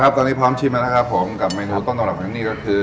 ครับตอนนี้พร้อมชิมมากับเมนูต้นต้นหลังคนนี้ก็คือ